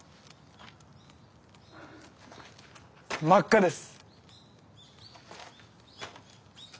はい真っ赤です。